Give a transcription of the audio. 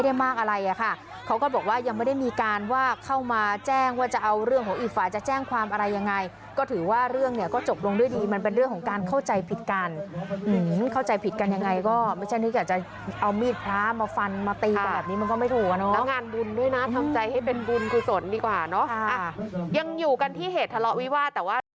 อยากจะเอามีดพระมาฟันมาตีก็แบบนี้มันก็ไม่ถูกแล้วการบุญด้วยนะทำใจให้เป็นบุญกุศลดีกว่าเนาะยังอยู่กันที่เหตุทะเลาะวิวาสแต่ว่า